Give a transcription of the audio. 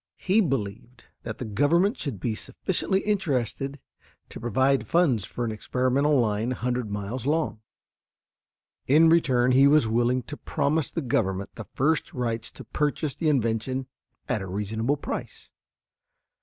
He believed that the Government should be sufficiently interested to provide funds for an experimental line a hundred miles long. In return he was willing to promise the Government the first rights to purchase the invention at a reasonable price.